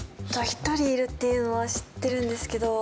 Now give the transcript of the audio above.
一人いるっていうのは知ってるんですけど。